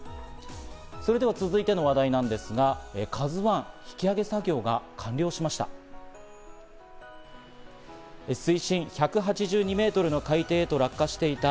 それでは続いての話題なんですが、「ＫＡＺＵ１」引き揚げ作業が完了しました。